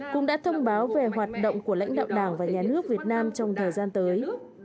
cũng đã thông báo về hoạt động của lãnh đạo đảng và nhà nước việt nam trong thời gian tới